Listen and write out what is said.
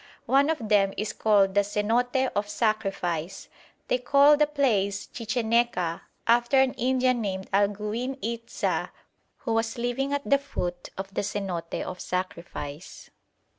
One of them is called the Zenote of Sacrifice. They call the place Chicheneca after an Indian named Alguin Itza who was living at the foot of the Zenote of Sacrifice.